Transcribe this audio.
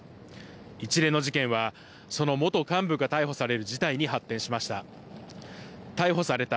一連の事件は、その元幹部が逮捕される事態に発展しました。